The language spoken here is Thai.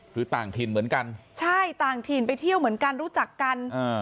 คือต่างถิ่นเหมือนกันใช่ต่างถิ่นไปเที่ยวเหมือนกันรู้จักกันอ่า